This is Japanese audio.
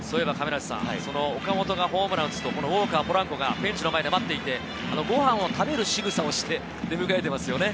その岡本がホームランを打つと、ウォーカー、ポランコがベンチの前で待っていて、ご飯を食べるしぐさをして出迎えていますよね。